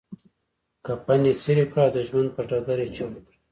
کفن يې څيري کړ او د ژوند پر ډګر يې چيغه کړه.